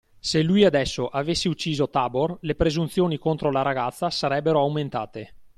Se lui adesso avesse ucciso Tabor, le presunzioni contro la ragazza sarebbero aumentate.